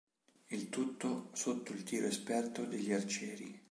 Il tutto sotto il tiro esperto degli arcieri.